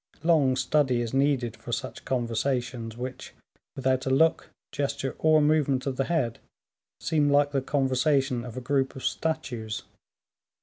Long study is needed for such conversations, which, without a look, gesture, or movement of the head, seem like the conversation of a group of statues.